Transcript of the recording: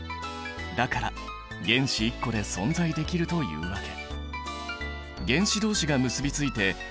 だから原子１個で存在できるというわけ。